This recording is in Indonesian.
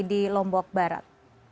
di lombok barat